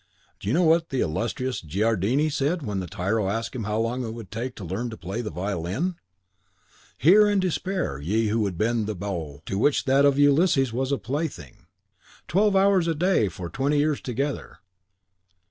Do you know what the illustrious Giardini said when the tyro asked how long it would take to learn to play on the violin? Hear, and despair, ye who would bend the bow to which that of Ulysses was a plaything, "Twelve hours a day for twenty years together!"